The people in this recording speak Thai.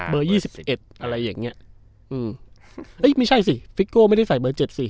ยี่สิบเอ็ดอะไรอย่างเงี้ยอืมเอ้ยไม่ใช่สิฟิโก้ไม่ได้ใส่เบอร์เจ็ดสิ